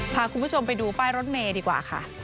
พาคุณผู้ชมไปดูป้ายรถเมย์ดีกว่าค่ะ